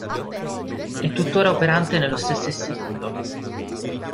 È tuttora operante nello stesso istituto.